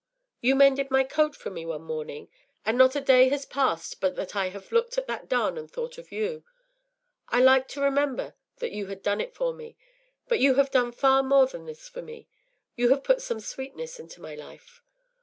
You mended my coat for me one morning, and not a day has passed but that I have looked at that darn and thought of you. I liked to remember that you had done it for me. But you have done far more than this for me: you have put some sweetness into my life.